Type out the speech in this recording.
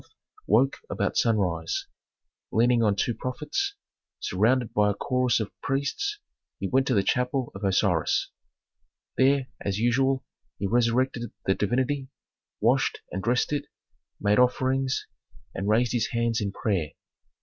woke about sunrise; leaning on two prophets, surrounded by a chorus of priests, he went to the chapel of Osiris. There, as usual, he resurrected the divinity, washed and dressed it, made offerings, and raised his hands in prayer.